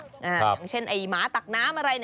อย่างเช่นไอ้หมาตักน้ำอะไร